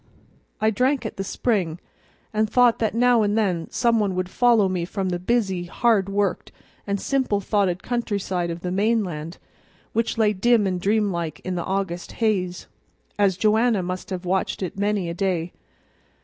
I drank at the spring, and thought that now and then some one would follow me from the busy, hard worked, and simple thoughted countryside of the mainland, which lay dim and dreamlike in the August haze, as Joanna must have watched it many a day.